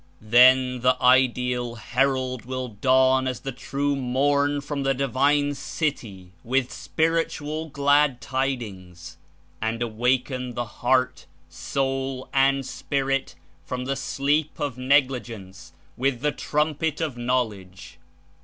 Then the ideal Herald will dawn as the true morn from the Divine City with spiritual glad tidings and awaken the heart, soul and spirit from the sleep of negligence with the trumpet of Knowledge.